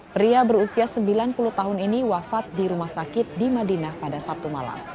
pria berusia sembilan puluh tahun ini wafat di rumah sakit di madinah pada sabtu malam